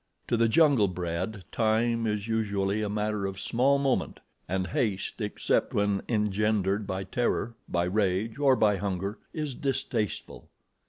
To the jungle bred, time is usually a matter of small moment, and haste, except when engendered by terror, by rage, or by hunger, is distasteful.